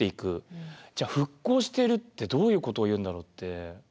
じゃあ復興してるってどういうことをいうんだろうって。